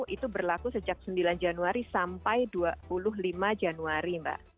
itu berlaku sejak sembilan januari sampai dua puluh lima januari mbak